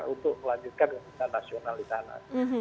untuk melanjutkan kepentingan nasional di sana